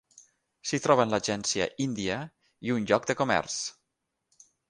S'hi troben l'agència índia i un lloc de comerç.